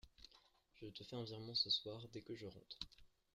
Je te fais un virement ce soir, dès que je rentre.